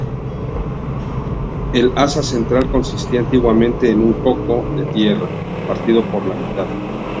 El asa central consistía antiguamente en un coco "de Tierra" partido por la mitad.